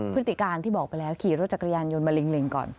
พฤติการที่บอกไปแล้วขี่รถจักรยานยนต์มาเล็งก่อน